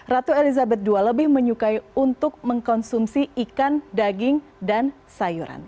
ratu elizabeth ii lebih menyukai untuk mengkonsumsi ikan daging dan sayuran